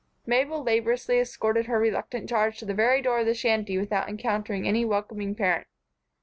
Mabel laboriously escorted her reluctant charge to the very door of the shanty without encountering any welcoming parent.